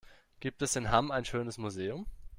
Gibt es in Hamm ein schönes Museum?